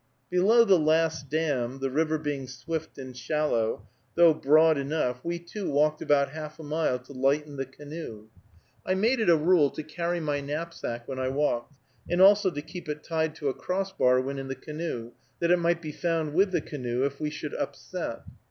Below the last dam, the river being swift and shallow, though broad enough, we two walked about half a mile to lighten the canoe. I made it a rule to carry my knapsack when I walked, and also to keep it tied to a crossbar when in the canoe, that it might be found with the canoe if we should upset.